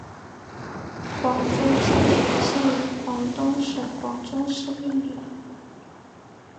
广州街全线以广东省广州市命名。